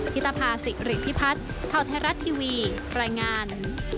ฮิตาภาษิหรือพิพัฒน์เข้าไทรรัสทีวีรายงาน